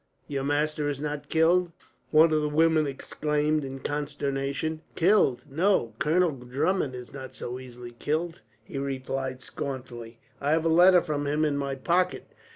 "Your master is not killed?" one of the women exclaimed, in consternation. "Killed! No, Colonel Drummond is not so easily killed," he replied scornfully. "I have a letter from him in my pocket.